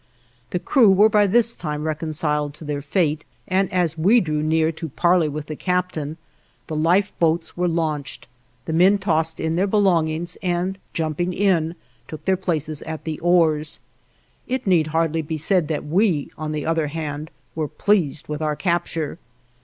The crew were by this time reconciled to their fate and, as we drew near to parley with the captain, the life boats were launched; the men tossed in their belongings and, jumping in, took their places at the oars. It need hardly be said that we, on the other hand, were pleased with our capture.